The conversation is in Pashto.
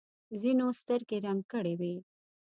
ځینو سترګې رنګ کړې وي.